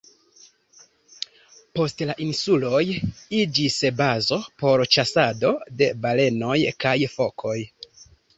Poste la insuloj iĝis bazo por ĉasado de balenoj kaj fokoj.